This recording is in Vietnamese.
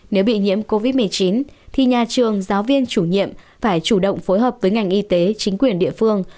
nếu bị nhiễm covid một mươi chín thì nhà trường giáo viên chủ nhiệm phải chủ động phối hợp với ngành y tế chính quyền địa phương